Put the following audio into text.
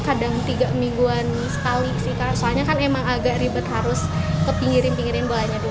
kadang tiga mingguan sekali sih karena soalnya kan emang agak ribet harus ke pinggir pinggirin bolanya